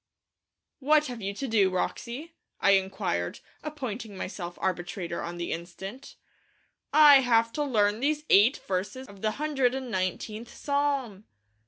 'What have you to do, Wroxie?' I inquired, appointing myself arbitrator on the instant. 'I have to learn these eight verses of the hundred and nineteenth Psalm!'